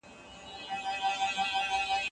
د پرمختګ مفاهيم له کوم ځايه راغلل؟